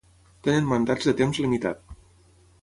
Tenen mandats de temps limitat.